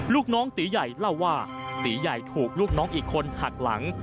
ลูกน้องตีใหญ่เล่าว่าตีใหญ่ถูกลูกน้องอีกคนหักหลัง